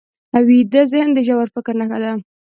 ویده ذهن د ژور فکر نښه ده